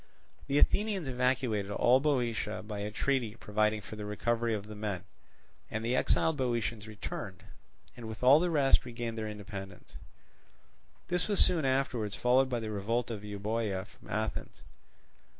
The Athenians evacuated all Boeotia by a treaty providing for the recovery of the men; and the exiled Boeotians returned, and with all the rest regained their independence. This was soon afterwards followed by the revolt of Euboea from Athens.